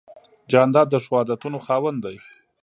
جانداد د ښو عادتونو خاوند دی.